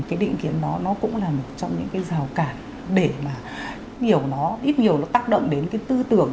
cái định kiến đó nó cũng là một trong những cái rào cản để mà hiểu nó ít nhiều nó tác động đến cái tư tưởng